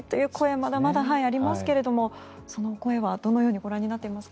まだまだありますがその声はどのようにご覧になっていますか。